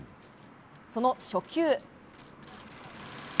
その初球。